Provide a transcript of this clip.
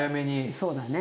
そうだね。